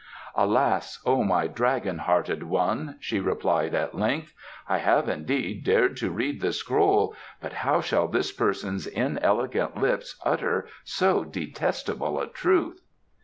"Alas, O my dragon hearted one," she replied at length, "I have indeed dared to read the scroll, but how shall this person's inelegant lips utter so detestable a truth?"